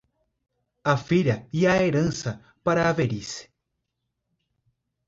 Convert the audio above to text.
A filha e a herança, para a velhice.